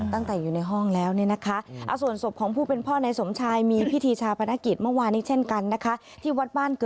ตั้งแต่อยู่ในห้องแล้ว